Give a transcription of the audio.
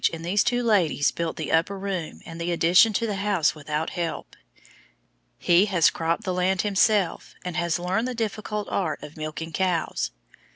and these two ladies built the upper room and the addition to the house without help. He has cropped the land himself, and has learned the difficult art of milking cows. Mrs.